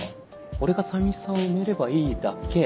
俺が寂しさを埋めればいいだけ。